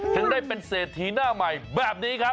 ถึงได้เป็นเศรษฐีหน้าใหม่แบบนี้ครับ